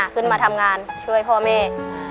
ขึ้นมาทำงานช่วยพ่อแม่